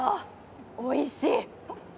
おいしい！